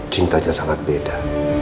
cinta aja sangat beda